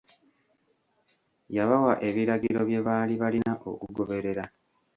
Yabawa ebiragiro bye baali balina okugoberera.